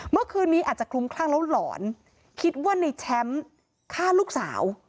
เมื่อคืนนี้อาจจะคลุมคลั่งแล้วหลอนคิดว่าในแชมป์ฆ่าลูกสาว